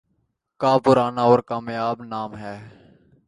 کا پرانا اور کامیاب نام ہے